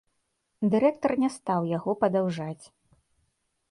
Дырэктар не стаў яго падаўжаць.